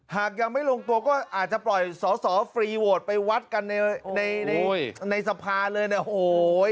หากยังไม่ลงตัวก็อาจจะปล่อยสอสอฟรีโวทย์ไปวัดกันในสภาเลยนะโหย